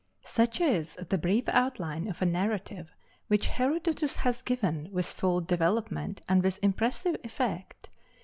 Such is the brief outline of a narrative which Herodotus has given with full development and with impressive effect.